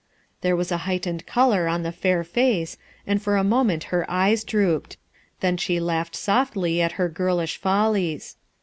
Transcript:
There was a heightened color on the fair face, and for a moment her eyes drooped. 190 BITCH EltSKINE'S SON Tlwn she laughed softly at her girlteh fol lies.